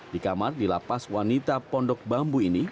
di kamar di lapas wanita pondok bambu ini